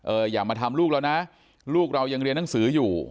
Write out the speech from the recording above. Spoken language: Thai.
อย่ามาทำลูกเรานะลูกเรายังเรียนหนังสืออยู่